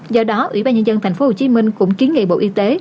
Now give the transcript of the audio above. do đó ủy ban nhân dân tp hcm cũng kiến nghị bộ y tế